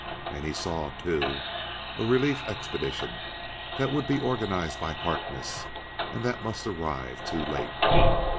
And he saw, too, a relief expedition that would be organized by Harkness and that must arrive too late.